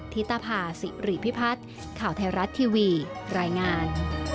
ธิตภาษิริพิพัฒน์ข่าวไทยรัฐทีวีรายงาน